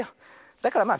だからまあ